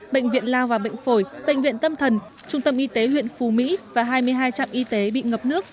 bệnh viện lao và bệnh phổi bệnh viện tâm thần trung tâm y tế huyện phù mỹ và hai mươi hai trạm y tế bị ngập nước